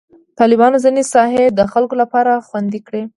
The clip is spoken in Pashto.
طالبانو ځینې ساحې د خلکو لپاره خوندي کړي.